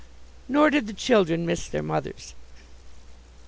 Nor did the children miss their mothers.